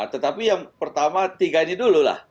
tetapi yang pertama tiga ini dulu lah